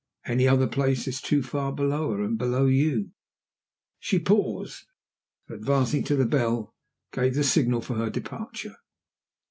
Any other place is too far below her and below you." She paused, and advancing to the bell, gave the signal for her departure.